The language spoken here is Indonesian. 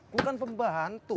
gue kan pembantu